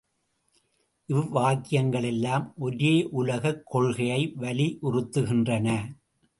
இவ்வாக்கியங்களெல்லாம் ஒரேயுலகக் கொள்கையை வலியுறுத்துகின்றன.